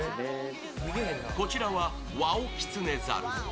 こちらは、ワオキツネザル。